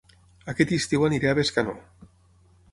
Aquest estiu aniré a Bescanó